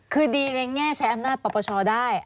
คือดีในแง่ใช้อำนาจปปชได้